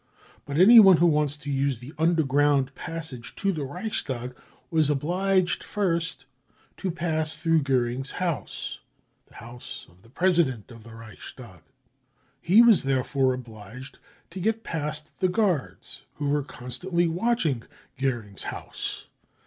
But anyone who wants to use the underground passage to the Reichstag was obliged first to pass through Goering's house, the house of the President of the Reichstag. Pie was therefore obliged to get. past the guards who were con stantly watching Goering's house.